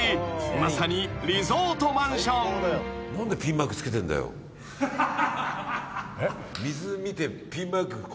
まさにリゾートマンション］えっ？